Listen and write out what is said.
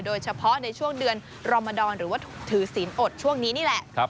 โดยเฉพาะในช่วงเดือนรมดรหรือว่าถือศีลอดช่วงนี้นี่แหละ